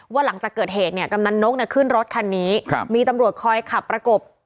หลังจากเกิดเหตุเนี่ยกำนันนกเนี่ยขึ้นรถคันนี้ครับมีตำรวจคอยขับประกบ